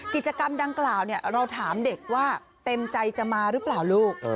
กิจกรรมดังกล่าวเราถามเด็กว่าเต็มใจจะมาหรือเปล่าลูก